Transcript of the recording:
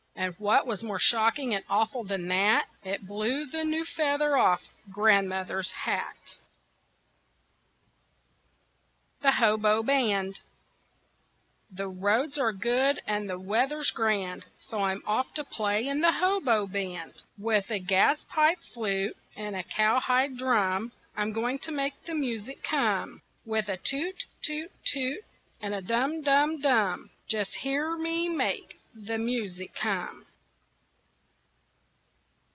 And what was more shocking and awful than that, It blew the new feather off grandmother's hat. [Illustration: THE WIND CAME A WHOOPING DOWN CRANBERRY HILL] THE HOBO BAND The roads are good and the weather's grand, So I'm off to play in the Hobo Band; With a gaspipe flute and a cowhide drum I'm going to make the music come. With a toot, toot, toot, and a dum, dum, dum, Just hear me make the music come!